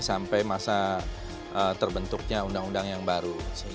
sampai masa terbentuknya undang undang yang baru